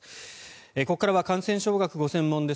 ここからは感染症学がご専門です